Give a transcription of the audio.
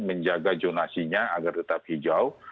menjaga jonasinya agar tetap hijau